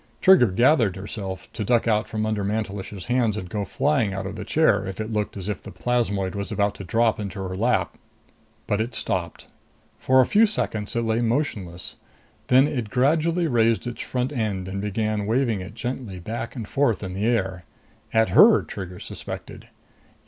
Trigger gathered herself to duck out from under Mantelish's hands and go flying out of the chair if it looked as if the plasmoid was about to drop into her lap. But it stopped. For a few seconds it lay motionless. Then it gradually raised its front end and began waving it gently back and forth in the air. At her, Trigger suspected.